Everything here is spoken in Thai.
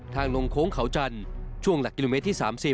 ทางลงโค้งเขาจันทร์ช่วงหลักกิโลเมตรที่๓๐